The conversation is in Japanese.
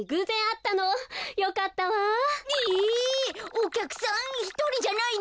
おきゃくさんひとりじゃないの？